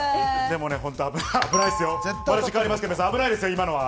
でも危ないですよ、今のは。